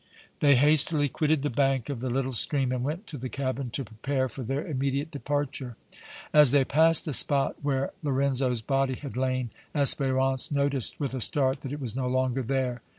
They hastily quitted the bank of the little stream and went to the cabin to prepare for their immediate departure. As they passed the spot where Lorenzo's body had lain, Espérance noticed with a start that it was no longer there.